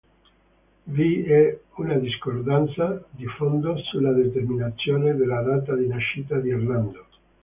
Vi è una discordanza di fondo sulla determinazione della data di nascita di Hernando.